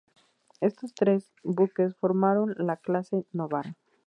Estos tres buques formaron la "Clase Novara".